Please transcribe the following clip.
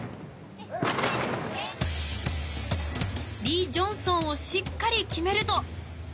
リ・ジョンソンをしっかり決めると。